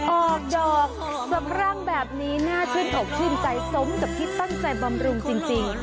ออกดอกสะพรั่งแบบนี้น่าชื่นอกชื่นใจสมกับที่ตั้งใจบำรุงจริง